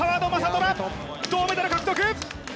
虎、銅メダル、獲得！